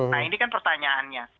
nah ini kan pertanyaannya